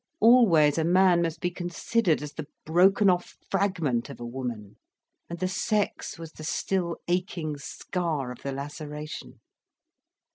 Always a man must be considered as the broken off fragment of a woman, and the sex was the still aching scar of the laceration.